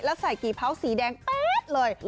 แล้วใส่กี่เผาสีแดงแป๊ดเลย